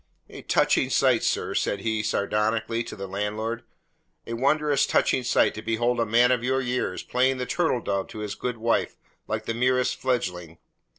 "A touching sight, sir," said he sardonically to the landlord. "A wondrous touching sight to behold a man of your years playing the turtle dove to his good wife like the merest fledgeling.